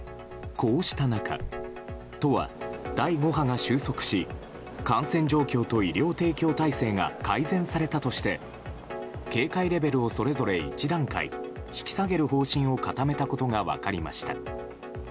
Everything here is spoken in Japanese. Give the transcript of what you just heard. こうした中都は第５波が収束し感染状況と医療提供体制が改善されたとして警戒レベルをそれぞれ１段階引き下げる方針を固めたことが分かりました。